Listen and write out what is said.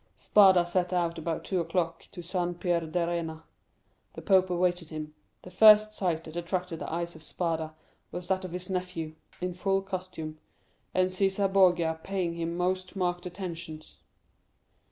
"Spada set out about two o'clock to San Pierdarena. The pope awaited him. The first sight that attracted the eyes of Spada was that of his nephew, in full costume, and Cæsar Borgia paying him most marked attentions.